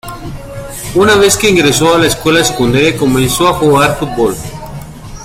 Una vez que ingresó a la escuela secundaria comenzó a jugar fútbol.